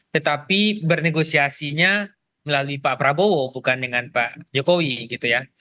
tetapi bernegosiasinya melalui pilihan yang berbeda